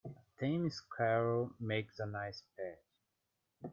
A tame squirrel makes a nice pet.